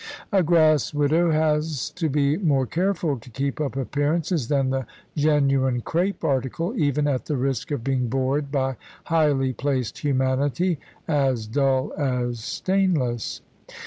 A grass widow has to be more careful to keep up appearances than the genuine crape article, even at the risk of being bored by highly placed humanity, as dull as stainless.